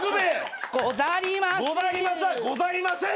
ござりません！